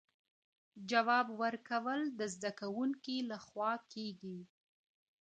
جواب ورکول د زده کوونکي له خوا کېږي،